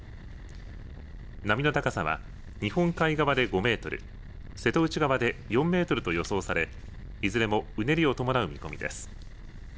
波の高さは日本海側で５メートル、瀬戸内側で４メートルと予想されいずれもうねりを伴う見込みです。